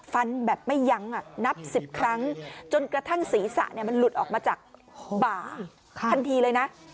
ฟันแบบไม่ยั้งนับ๑๐ครั้งจนกระทั่งศีรษะมันหลุดออกมาจากบ่าทันทีเลยนะ